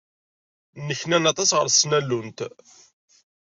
Nneknan aṭas ɣer tesnallunt.